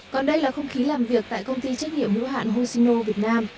còn đây là không khí làm việc tại công ty trách nhiệm lưu hạn hoshino việt nam